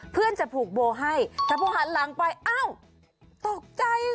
เพื่อนจะภูมิโบให้แล้วพอหันหลังไปอ้าวตกใจค่ะ